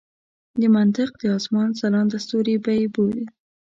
د منطق د اسمان ځلانده ستوري به یې بولي.